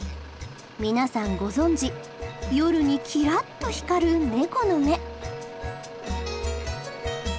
皆さんご存じ夜にキラッと光るネコの目。